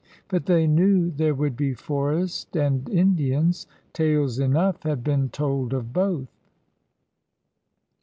But they knew there would be forest and Indians. Tales enough had been told of both!